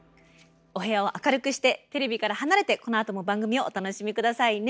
お部屋を明るくしてテレビから離れてこのあとも番組をお楽しみ下さいね。